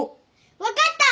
分かった！